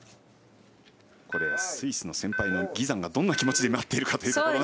スイスの先輩のギザンがどんな気持ちで待っているか。